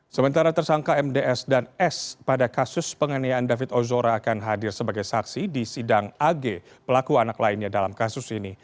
sementara tersangka mds dan s pada kasus penganiayaan david ozora akan hadir sebagai saksi di sidang ag pelaku anak lainnya dalam kasus ini